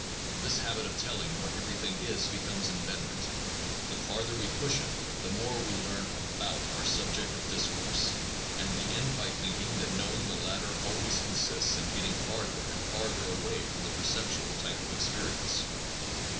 5 This habit of telling what everything is becomes inveterate. The farther we push it, the more we learn about our subject of discourse, and we end by thinking that knowing the latter always consists in getting farther and farther away from the perceptual type of experience.